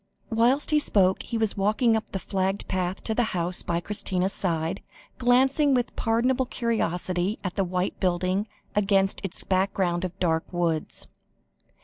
Whilst he spoke he was walking up the flagged path to the house by Christina's side, glancing with pardonable curiosity at the white building, against its background of dark woods.